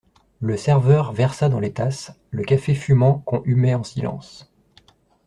Le serveur versa dans les tasses le café fumant qu'on humait en silence.